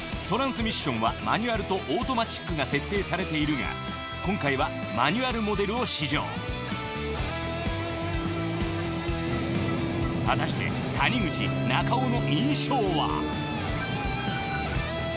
トランスミッションはマニュアルとオートマチックが設定されているが今回はマニュアルモデルを試乗果たして谷口中尾の印象は？